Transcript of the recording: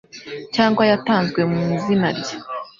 cyangwa yatanzwe mu izina rye